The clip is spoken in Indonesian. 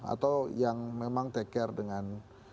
atau yang memang take care dengan